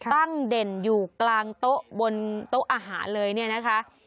เด่นอยู่กลางโต๊ะบนโต๊ะอาหารเลยเนี่ยนะคะ